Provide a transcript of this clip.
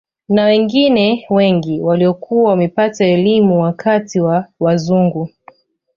Na wengine wengi waliokuwa wamepata elimu wakati wa wazungu